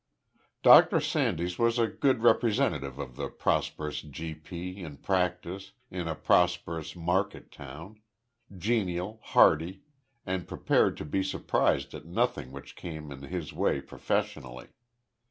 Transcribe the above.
Dr Sandys was a good representative of the prosperous G.P. in practice in a prosperous market town; genial, hearty, and prepared to be surprised at nothing which came in his way professionally.